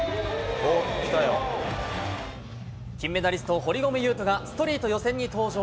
金メダリスト、堀米雄斗がストリート予選に登場。